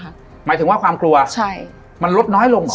หมายถึงว่าความกลัวมันลดน้อยลง